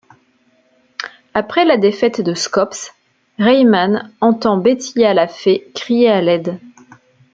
Après la défaite de Skops, Rayman entend Betilla la Fée crier à l'aide.